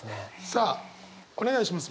さあお願いします